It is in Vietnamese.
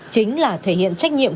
chính là thể hiện trách nhiệm